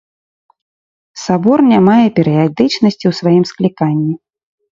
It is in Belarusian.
Сабор не мае перыядычнасці ў сваім скліканні.